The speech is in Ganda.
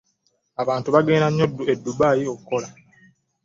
Abantu bagenda nnyo e Dubai okukola.